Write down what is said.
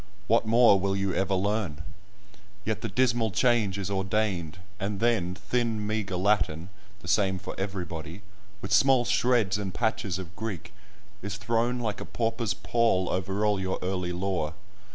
What more will you ever learn? Yet the dismal change is ordained, and then, thin meagre Latin (the same for everybody), with small shreds and patches of Greek, is thrown like a pauper's pall over all your early lore.